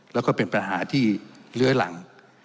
แล้วก็เป็นปัญหาที่เลื้อยหลัง